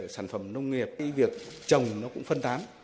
sản phẩm nông nghiệp cái việc trồng nó cũng phân tán